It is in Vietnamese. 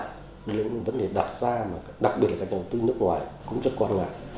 nên là những vấn đề đặt ra mà đặc biệt là các nhà đầu tư nước ngoài cũng chắc quan ngại